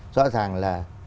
rõ ràng là